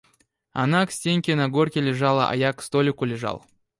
Она к стенке на горке лежала, а я к столику лежал.